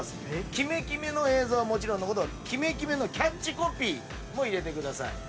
キメキメの映像はもちろんのことキメキメのキャッチコピーも入れてください。